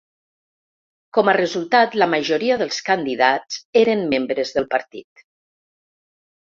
Com a resultat, la majoria dels candidats eren membres del partit.